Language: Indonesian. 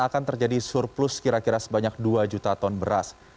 akan terjadi surplus kira kira sebanyak dua juta ton beras